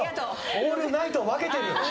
オールナイトを分けてる。